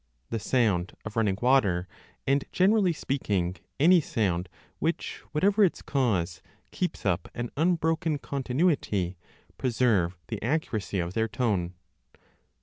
The sound of running water, and generally speaking, any sound which, whatever its cause, keeps up an unbroken continuity, preserve the accuracy of their tone.